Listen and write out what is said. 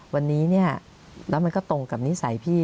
วันนี้เนี่ยแล้วมันก็ตรงกับนิสัยพี่